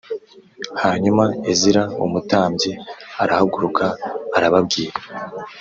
Hanyuma ezira umutambyi arahaguruka arababwira